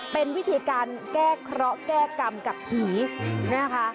เป็นวิธีการแก้เคราะห์แก้กรรมกับผีนะคะ